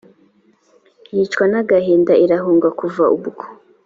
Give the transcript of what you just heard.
yicwa n agahinda irahunga kuva ubwo